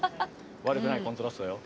悪くないコントラストよ。